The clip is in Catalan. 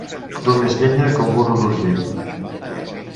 Dur més llenya que un burro d'Urgell.